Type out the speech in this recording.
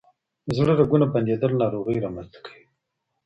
د زړه رګونه بندیدل ناروغۍ رامنځ ته کوي.